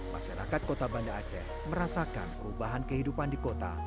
masyarakat kota banda aceh merasakan perubahan kehidupan di kota